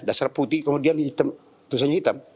dasar putih kemudian tulisannya hitam